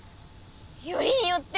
よりによって。